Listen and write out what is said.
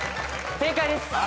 正解です。